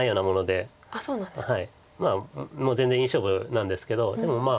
まあもう全然いい勝負なんですけどでもまあ